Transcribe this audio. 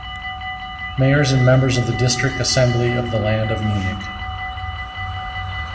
Mayors and members of the District Assembly of the Land of Munich.